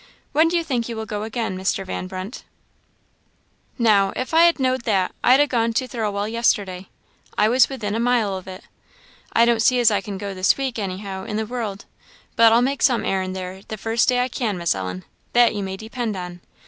"When do you think you will go again, Mr. Van Brunt?" "Now, if I'd ha' know'd that, I'd ha' gone to Thirlwall yesterday I was within a mile of it. I don't see as I can go this week, anyhow, in the world; but I'll make some errand there the first day I can, Miss Ellen that you may depend on.